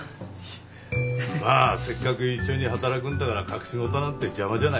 まあせっかく一緒に働くんだから隠し事なんて邪魔じゃない。